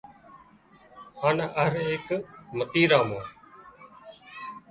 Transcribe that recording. هانَ هر ايڪ متريرا مان